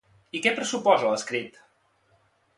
I què pressuposa l'escrit?